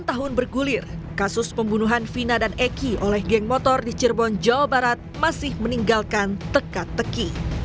dua puluh tahun bergulir kasus pembunuhan vina dan eki oleh geng motor di cirebon jawa barat masih meninggalkan teka teki